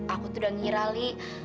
aku tuh udah ngira li